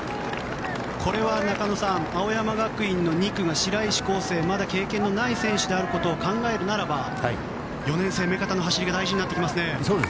これは中野さん青山学院の２区の白石光星まだ経験のない選手ということを考えるならば４年生、目片の走りが大事になってきますね。